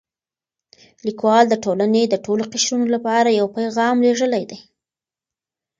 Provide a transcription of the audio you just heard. لیکوال د ټولنې د ټولو قشرونو لپاره یو پیغام لېږلی دی.